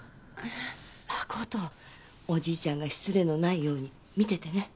真おじいちゃんが失礼のないように見ててね。